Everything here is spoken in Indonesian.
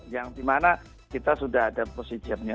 yang dimana kita sudah ada positionnya